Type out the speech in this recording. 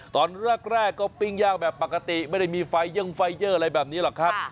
ตอนแรกก็ปิ้งย่างแบบปกติไม่ได้มีไฟเย่งไฟเยอร์อะไรแบบนี้หรอกครับ